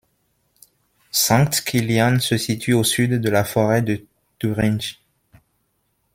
Sankt Kilian se situe au sud de la forêt de Thuringe.